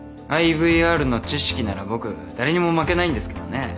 ＩＶＲの知識なら僕誰にも負けないんですけどね。